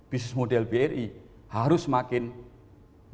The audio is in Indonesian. bisnis model bri harus semakin meningkat